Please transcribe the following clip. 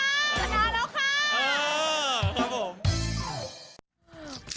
สบายครับควร